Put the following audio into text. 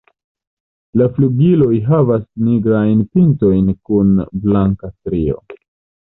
La flugiloj havas nigrajn pintojn kun blanka strio.